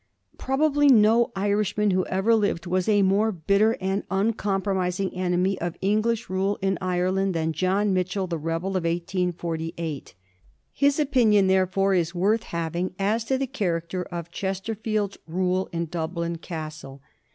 Probably no Irishman who ever lived was a more bitter and uncompromising enemy of English rule in Ireland than John Mitchel, the rebel of 1848. His opinion, there fore, is worth having as to the character of Chesterfield's rule in Dublin Castle.